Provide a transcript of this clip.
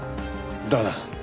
だな。